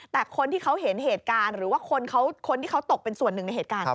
แต่คนที่เขาเห็นเหตุการณ์หรือว่าคนที่เขาตกเป็นส่วนหนึ่งในเหตุการณ์